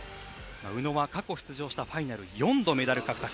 宇野は過去出場したファイナル４度メダル獲得。